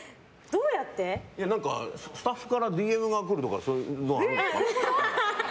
スタッフからＤＭが来るとかそういうのはあるんですか？